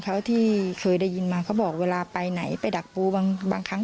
เขาที่เคยได้ยินมาเขาบอกเวลาไปไหนไปดักปูบางครั้ง